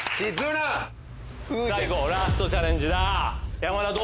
ラストチャレンジだぁ。